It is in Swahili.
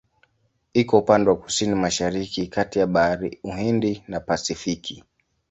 Iko upande wa Kusini-Mashariki kati ya Bahari ya Uhindi na Pasifiki.